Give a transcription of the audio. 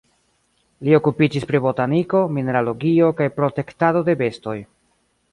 Li okupiĝis pri botaniko, mineralogio kaj protektado de bestoj.